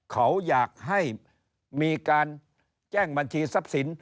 เขาอยากให้มีการแจ้งบัญชีทรัพย์สิน